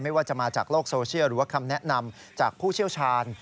ว่าจะมาจากโลกโซเชียลหรือว่าคำแนะนำจากผู้เชี่ยวชาญ